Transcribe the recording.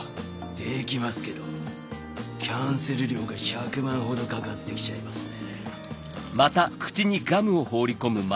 できますけどキャンセル料が１００万ほどかかって来ちゃいますね。